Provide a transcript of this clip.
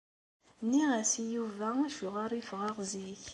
Nniɣ-as i Yuba acuɣer i ffɣeɣ zik.